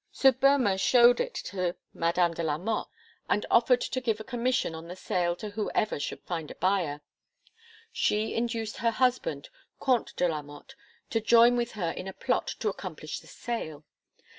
So Boemer showed it to Madame de la Motte and offered to give a commission on the sale to whoever should find a buyer. She induced her husband, Comte de la Motte, to join with her in a plot to accomplish the sale.